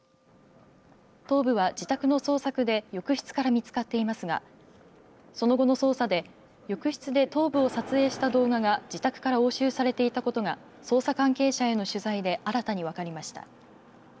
頭部は自宅の捜索で浴室から見つかっていますがその後の捜査で浴室で頭部を撮影した動画が自宅から押収されていたことが捜査関係者への取材で新たに分かりました。